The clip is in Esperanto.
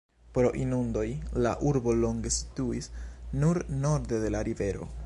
Pro inundoj, la urbo longe situis nur norde de la rivero.